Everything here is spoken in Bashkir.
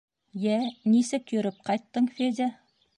— Йә, нисек йөрөп ҡайттың, Федя?